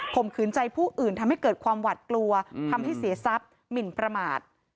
มขืนใจผู้อื่นทำให้เกิดความหวัดกลัวทำให้เสียทรัพย์หมินประมาท